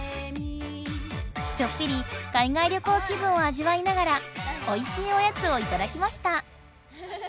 ちょっぴり海外旅行気分をあじわいながらおいしいおやつをいただきました。